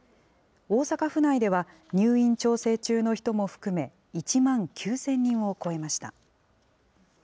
大阪府内では入院調整中の人も含め、１万９０００人を超えました。